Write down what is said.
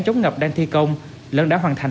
chống ngập đang thi công lần đã hoàn thành